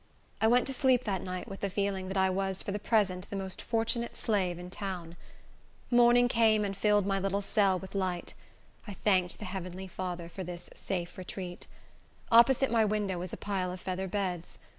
I went to sleep that night with the feeling that I was for the present the most fortunate slave in town. Morning came and filled my little cell with light. I thanked the heavenly Father for this safe retreat. Opposite my window was a pile of feather beds.